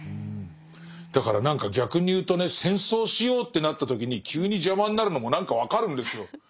だから何か逆にいうとね戦争しようってなった時に急に邪魔になるのも何か分かるんですよ。